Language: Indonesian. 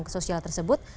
dalam sosial tersebut